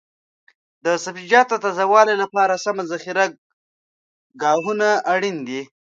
د سبزیجاتو تازه والي لپاره سمه ذخیره ګاهونه اړین دي.